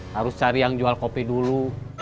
harus cari yang jual kopi dulu